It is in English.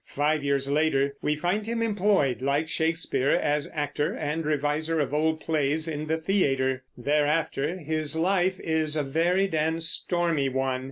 Five years later we find him employed, like Shakespeare, as actor and reviser of old plays in the theater. Thereafter his life is a varied and stormy one.